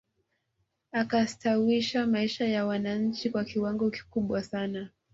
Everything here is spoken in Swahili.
Akastawisha maisha ya wananchi kwa kiwango kikubwa sana